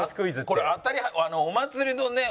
これお祭りのね